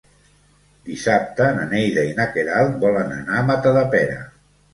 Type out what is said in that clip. Dissabte na Neida i na Queralt volen anar a Matadepera.